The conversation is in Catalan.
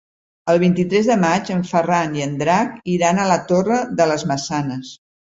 El vint-i-tres de maig en Ferran i en Drac iran a la Torre de les Maçanes.